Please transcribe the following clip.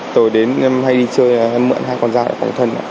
tối đến em hay đi chơi em mượn hai con dao để phòng thân